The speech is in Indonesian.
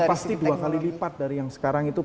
pasti dua kali lipat dari yang sekarang itu